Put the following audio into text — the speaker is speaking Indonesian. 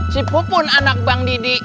si pupu pun anak bang didi